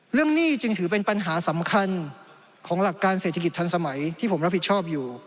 หนี้จึงถือเป็นปัญหาสำคัญของหลักการเศรษฐกิจทันสมัยที่ผมรับผิดชอบอยู่